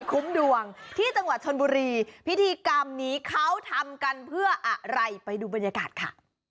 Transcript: ดวงที่จังหวัดชนบุรีพิธีกรรมนี้เขาทำกันเพื่ออะไรไปดูบรรยากาศค่ะ